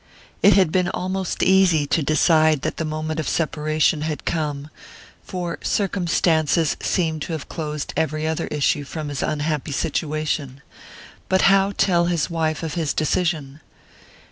It had been almost easy to decide that the moment of separation had come, for circumstances seemed to have closed every other issue from his unhappy situation; but how tell his wife of his decision?